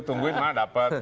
tungguin mah dapat